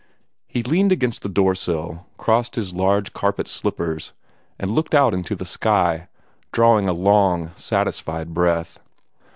He leaned against the door sill, crossed his large carpet slippers, and looked up into the sky, drawing a long satisfied breath.